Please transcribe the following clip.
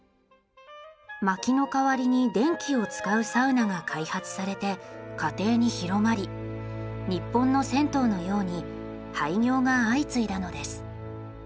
薪の代わりに電気を使うサウナが開発されて家庭に広まり日本の銭湯のように廃業が相次いだのです。